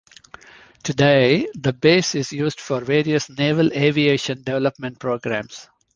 Today the base is used for various Naval Aviation development programs.